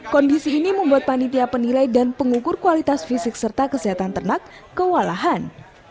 kondisi ini membuat panitia penilai dan pengukur kualitas fisik serta kesehatan ternak kewalahan